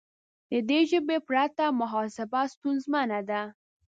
د دې ژبې پرته محاسبه ستونزمنه ده.